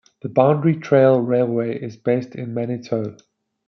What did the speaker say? The Boundary Trail Railway is based in Manitou.